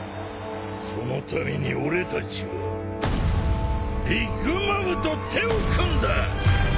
そのために俺たちはビッグ・マムと手を組んだ。